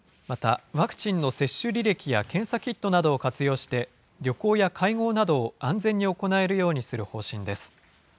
また、ワクチンの接種履歴や検査キットなどを活用して、旅行や会合などを安全に行えるようにする方針です。